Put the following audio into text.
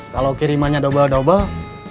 kalau kirimannya dobel dobel